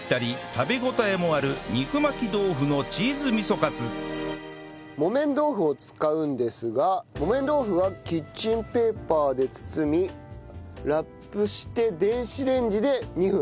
食べ応えもある木綿豆腐を使うんですが木綿豆腐はキッチンペーパーで包みラップして電子レンジで２分。